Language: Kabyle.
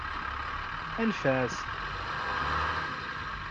Anef-as!